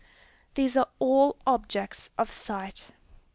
These are all objects of sight.